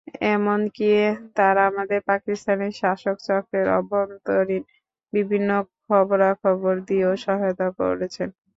এমনকি তাঁরা আমাদের পাকিস্তানি শাসক চক্রের অভ্যন্তরীণ বিভিন্ন খবরাখবর দিয়েও সহায়তা করেছেন।